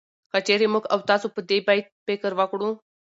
که چېرې موږ او تاسو په دې بيت فکر وکړو